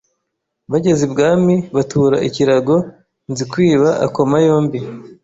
Bageze ibwami, batura ikirago Nzikwiba akoma yombi